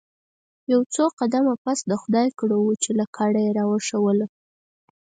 یو څو قدمه پس د خدای کړه وو چې لکړه یې راوښوروله.